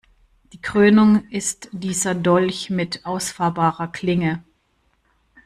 Die Krönung ist dieser Dolch mit ausfahrbarer Klinge.